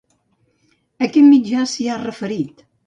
A quin mitjà s'hi ha referit?